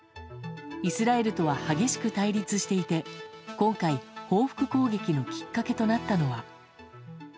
イスラエルとは激しく対立していて今回、報復攻撃のきっかけとなったのは。